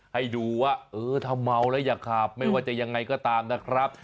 ให้ดูว่าเออถ้าเมาแล้วอย่าขับไม่ว่าจะยังไงก็ตามนะครับ